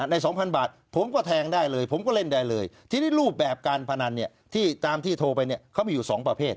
ใน๒๐๐บาทผมก็แทงได้เลยผมก็เล่นได้เลยทีนี้รูปแบบการพนันเนี่ยที่ตามที่โทรไปเนี่ยเขามีอยู่๒ประเภท